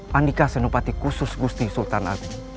handika senupati khusus gusti sultan agung